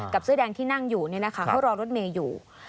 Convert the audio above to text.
กับเสื้อแดงที่นั่งอยู่นี่นะคะเขารอรถเมย์อยู่